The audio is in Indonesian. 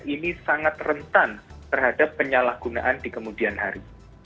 ini sangat rentan terhadap penyalahgunaan di kemudian hari